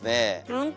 ほんと？